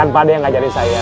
kan pak d yang ngajarin saya